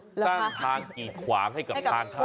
สร้างทางกิจขวางให้กับทางเข้า